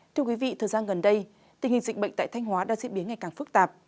thưa quý vị thời gian gần đây tình hình dịch bệnh tại thanh hóa đang diễn biến ngày càng phức tạp